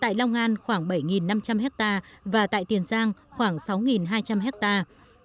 tại long an khoảng bảy năm trăm linh hectare và tại tiền giang khoảng sáu hai trăm linh hectare